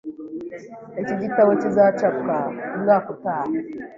Iki gitabo kizacapwa umwaka utaha.